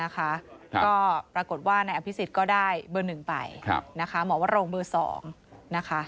ก็ปรากฏว่านายอภิษฎก็ได้เบอร์๑ไปนะคะหมอวโรงเบอร์๒นะคะ